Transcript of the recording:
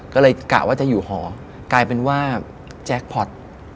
ก็เลยกะว่าจะอยู่หอกลายเป็นว่าแจ็คพอร์ต